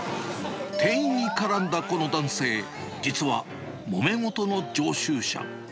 店員に絡んだこの男性、実はもめごとの常習者。